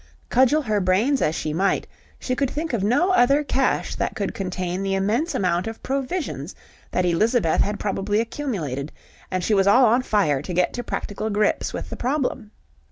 Cudgel her brains as she might she could think of no other cache that could contain the immense amount of provisions that Elizabeth had probably accumulated, and she was all on fire to get to practical grips with the problem.